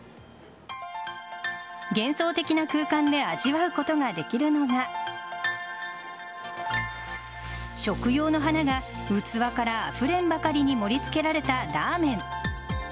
幻想的な空間で味わうことができるのが食用の花が器からあふれんばかりに盛り付けられたラーメン。